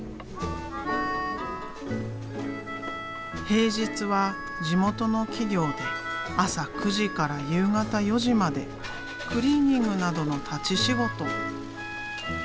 平日は地元の企業で朝９時から夕方４時までクリーニングなどの立ち仕事。